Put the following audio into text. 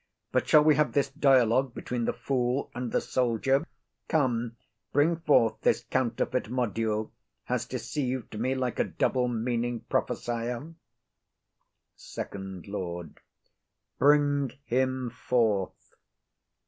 But shall we have this dialogue between the Fool and the Soldier? Come, bring forth this counterfeit module has deceiv'd me like a double meaning prophesier. SECOND LORD. Bring him forth.